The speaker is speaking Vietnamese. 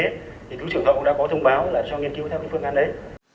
thì thủ trưởng thọ cũng đã có thông báo là cho nghiên cứu theo cái phương án đấy